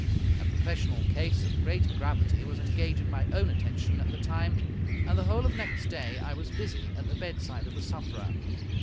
A professional case of great gravity was engaging my own attention at the time, and the whole of next day I was busy at the bedside of the sufferer.